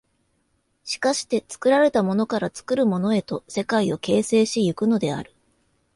しかして作られたものから作るものへと世界を形成し行くのである。